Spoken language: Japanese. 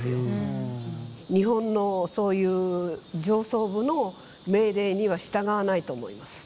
日本のそういう上層部の命令には従わないと思います。